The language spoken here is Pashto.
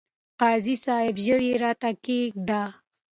قاضي صاحب! ژر يې راته کښېږده ،